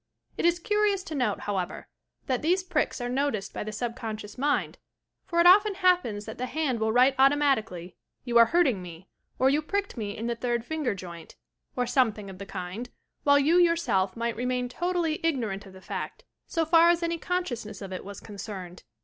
It is curious to note, however, that these pricks are noticed by the subeonscioiis mind, for it often happens that the hand will write auto matically: "You are hurting me," or "you pricked me in the third finger joint," or something of the kind while you yourself might remain totally ignorant of the fact, so far as any consciousness of it was concerned.